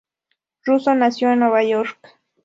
Russo nació en Nueva York.